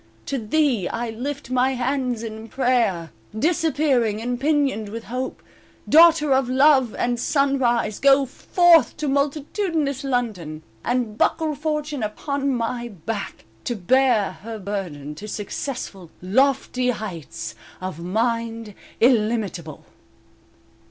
To thee I lift my hands in prayer Disappearing, and pinioned with Hope; Daughter of Love and sunrise Go forth to multitudinous London, And, "buckle fortune on my back" "To bear her burden," to successful, Lofty heights of mind illimitable.